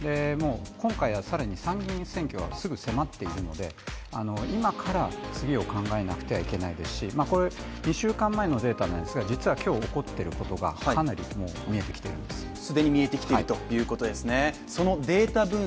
今回は更に参議院選挙がすぐ迫っているので、今から次を考えなくてはいけないですし２週間前のデータなんですが、今日起こってることがかなり見えてきてるんです。